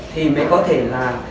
thì mới có thể là